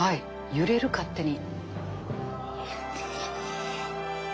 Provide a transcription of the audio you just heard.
揺れる勝手に。